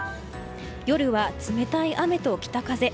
夜は冷たい雨と北風。